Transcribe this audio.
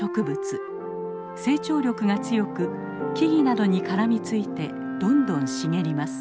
成長力が強く木々などに絡みついてどんどん茂ります。